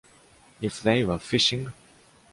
If they were fishing.